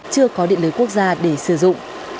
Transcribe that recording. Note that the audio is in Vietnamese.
chưa có điện lưới quốc gia để sử dụng